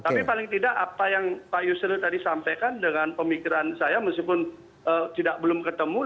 tapi paling tidak apa yang pak yusril tadi sampaikan dengan pemikiran saya meskipun belum ketemu